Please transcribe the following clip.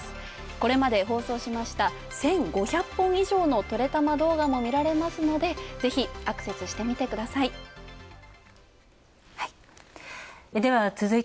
これまで放送しました１５００本以上の「トレたま」動画も見られますのでぜひ、アクセスしてみてください。